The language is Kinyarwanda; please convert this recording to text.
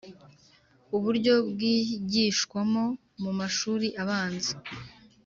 Uburyo bwigishwamo mu mashuri abanza